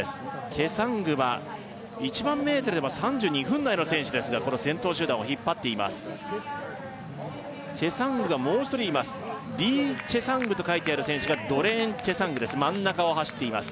チェサングは１００００ｍでは３２分台の選手ですがこの先頭集団を引っ張っていますチェサングがもう一人いますＤ．ＣＨＥＳＡＮＧと書いてある選手がドレーン・チェサングです真ん中を走っています